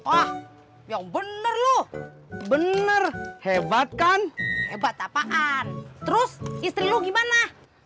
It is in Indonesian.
ah yang bener lu bener hebat kan hebat apaan terus istri lu gimana